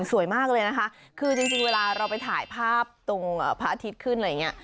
สวยมากเลยนะคะคือจริงเวลาเราไปถ่ายภาพตรงพระอาทิตย์ขึ้นอะไรอย่างนี้